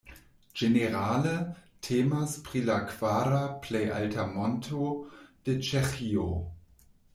Ĝenerale temas pri la kvara plej alta monto de Ĉeĥio.